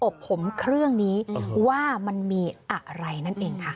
บผมเครื่องนี้ว่ามันมีอะไรนั่นเองค่ะ